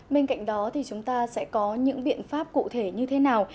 bên cạnh đó thì chúng ta sẽ có những biện pháp cụ thể như thế nào